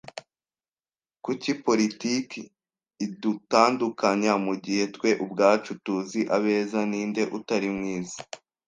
Kuki politiki idutandukanya, mugihe twe ubwacu tuzi abeza ninde utari mwiza?